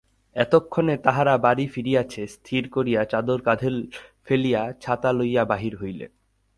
এতক্ষণে তাহারা বাড়ি ফিরিয়াছে স্থির করিয়া চাদরটা কাঁধে ফেলিয়া ছাতা লইয়া বাহির হইলেন।